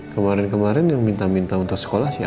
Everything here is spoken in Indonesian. kemarin kemarin yang minta minta untuk sekolah siapa